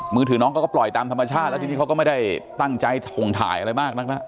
มือถือน้องเขาก็ปล่อยตามธรรมชาติแล้วทีนี้เขาก็ไม่ได้ตั้งใจถงถ่ายอะไรมากนักแล้ว